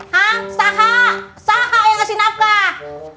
hah saha saha yang ngasih nafkah